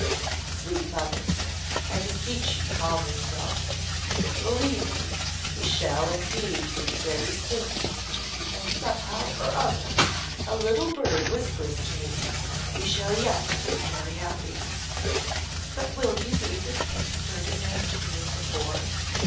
'Sweet mother, I beseech you calm yourself. Believe me we shall indeed meet very soon, and somehow or other a little bird whispers to me we shall yet be very happy.' 'But will you be the same Ferdinand to me as before?